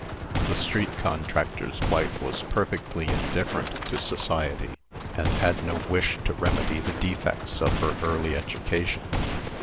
The street contractor's wife was perfectly indifferent to society, and had no wish to remedy the defects of her early education.